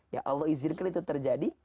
ya allah izinkan itu terjadi